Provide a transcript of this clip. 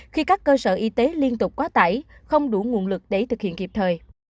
khi các cơ sở y tế liên tục quá tải không đủ nguồn lực để thực hiện kịp thời